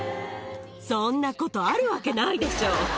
そんなことあるわけないでしょう。